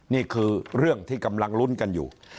นี่คือเรื่องที่กำลังลุ้นกันอยู่